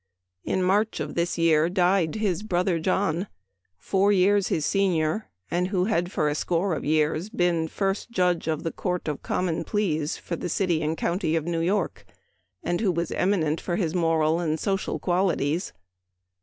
In March of this year died his brother John, four years his senior, and who had for a score of years been first Judge of the Court of Common Pleas for the city and county of New York, and who was eminent for his moral and social qualities.